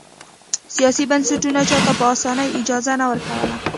سیاسي بنسټونو چا ته په اسانۍ اجازه نه ورکوله.